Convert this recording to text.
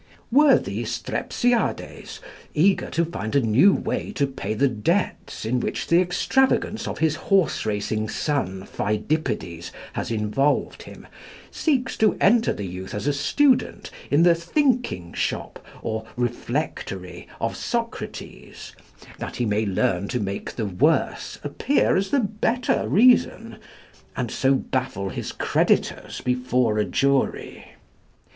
Worthy Strepsiades, eager to find a new way to pay the debts in which the extravagance of his horse racing son Pheidippides has involved him, seeks to enter the youth as a student in the Thinking shop or Reflectory of Socrates, that he may learn to make the worse appear the better reason, and so baffle his creditors before a jury.